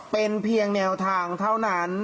เป็นเพียงแนวทางเท่านั้น